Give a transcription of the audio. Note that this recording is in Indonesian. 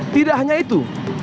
tidak hanya itu